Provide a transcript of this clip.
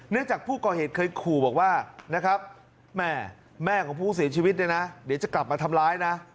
จากผู้ก่อเหตุเคยขู่บอกว่านะครับแม่แม่ของผู้เสียชีวิตเนี่ยนะเดี๋ยวจะกลับมาทำร้ายนะ